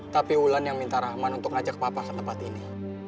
tapi wulan yang minta rahman untuk ajak papa ke tempat ini